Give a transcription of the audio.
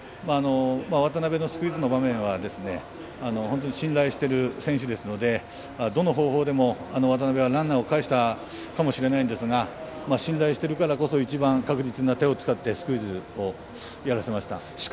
渡邊のスクイズの場面は信頼している選手ですのでどの方法でも渡邊はランナーをかえしたかもしれないんですが信頼してるからこそ、一番確実な手を使ってスクイズをやらせました。